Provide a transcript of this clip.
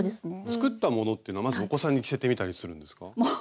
作ったものってのはまずお子さんに着せてみたりするんですか？